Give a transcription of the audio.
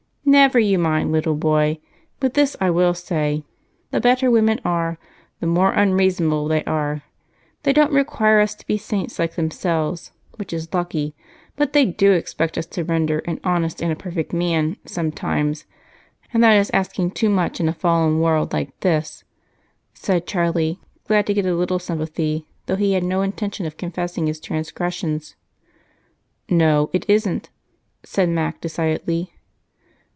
"Never you mind, little boy, but this I will say the better women are, the more unreasonable they are. They don't require us to be saints like themselves, which is lucky, but they do expect us to render an 'honest and a perfect man' sometimes, and that is asking rather too much in a fallen world like this," said Charlie, glad to get a little sympathy, though he had no intention of confessing his transgressions. "No, it isn't," said Mac, decidedly.